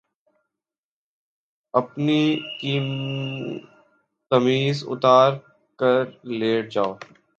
أپنی قمیض اُتار کر لیٹ جاؤ